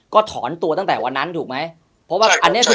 เก็บประเราะคุณพ่อนั่งด้วย